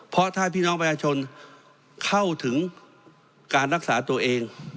เพราะถ้าพี่น้องประชาชนเข้าถึงการรักษาตัวเอง